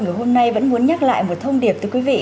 ngày hôm nay vẫn muốn nhắc lại một thông điệp từ quý vị